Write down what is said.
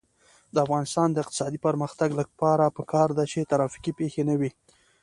د افغانستان د اقتصادي پرمختګ لپاره پکار ده چې ترافیکي پیښې نه وي.